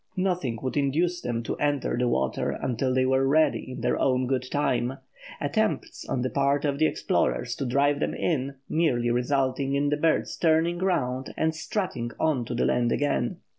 Nothing would induce them to enter the water until they were ready in their own good time, attempts, on the part of the explorers, to drive them in, merely resulting in the birds turning round and strutting on to the land again.